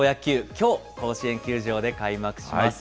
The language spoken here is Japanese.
きょう、甲子園球場で開幕します。